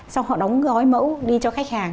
xong họ đóng gói mẫu đi cho khách hàng